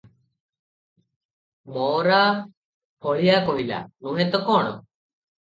"ମଓରା ହଳିଆ କହିଲା, ନୁହେଁ ତ କଣ?